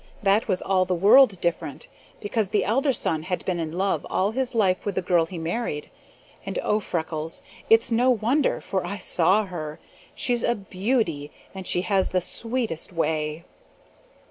That was all the world different, because the elder son had been in love all his life with the girl he married, and, oh, Freckles, it's no wonder, for I saw her! She's a beauty and she has the sweetest way.